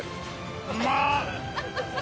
うまっ！